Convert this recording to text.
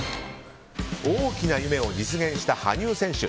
大きな夢を実現した羽生選手。